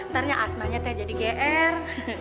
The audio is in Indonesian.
nanti asmanya teh jadi gr